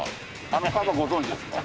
あの看板ご存じですか？